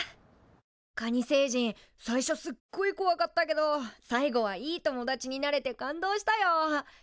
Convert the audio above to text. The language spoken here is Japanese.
カニ星人最初すっごいこわかったけど最後はいい友達になれて感動したよ。